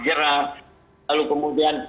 jerat lalu kemudian